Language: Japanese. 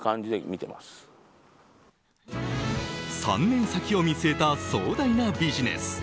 ３年先を見据えた壮大なビジネス。